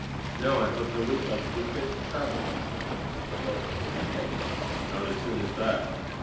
Now I hope in a week I shall be fit to travel." The doctor shook his head. "Not as soon as that.